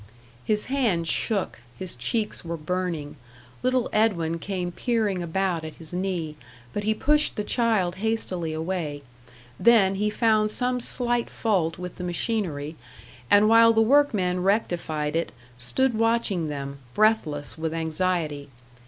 His hands shook his cheeks were burning little Edwin came peering about at his knee; but he pushed the child hastily away; then he found some slight fault with the machinery, and while the workmen rectified it stood watching them, breathless with anxiety.